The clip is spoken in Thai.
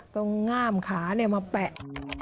ตรงงามขามาแปะ